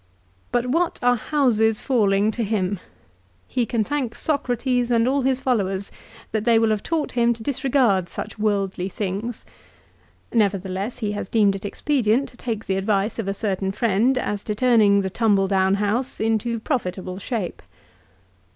But what are houses falling to him? He can thank Socrates and all his followers that they have taught him to disregard such worldly things. Nevertheless he has deemed it expedient to take the advice of a certain friend as to turning the tumble down house into profitable shape.